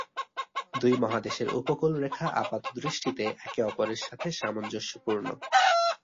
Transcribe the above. দুই মহাদেশের উপকূলরেখা আপাতদৃষ্টিতে একে অপরের সাথে সামঞ্জস্যপূর্ণ।